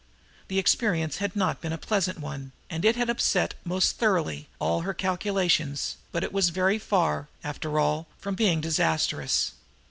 The experience had not been a pleasant one, and it had upset most thoroughly all her calculations; but it was very far, after all, from being disastrous.